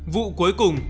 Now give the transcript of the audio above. vụ cuối cùng